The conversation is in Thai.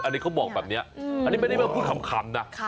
อันนี้เขาบอกแบบนี้อันนี้ไม่ได้มาพูดคำนะ